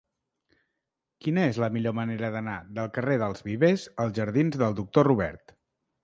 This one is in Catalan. Quina és la millor manera d'anar del carrer dels Vivers als jardins del Doctor Robert?